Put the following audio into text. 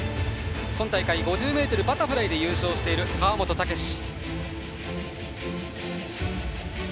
今大会、５０ｍバタフライで優勝している川本武史。